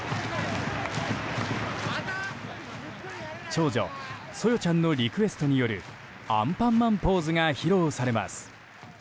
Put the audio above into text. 長女・爽世ちゃんのリクエストによるアンパンマンポーズが披露されます。